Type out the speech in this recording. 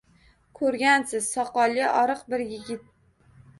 Ko’rgansiz: soqolli, oriq bir yigit.